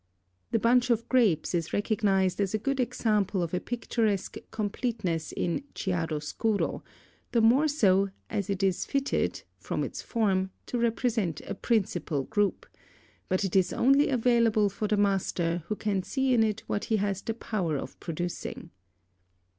The bunch of grapes is recognised as a good example of a picturesque completeness in chiaro scuro, the more so as it is fitted, from its form, to represent a principal group; but it is only available for the master who can see in it what he has the power of producing.